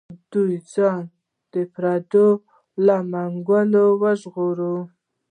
دوی ځان د پردیو له منګولو وژغوري.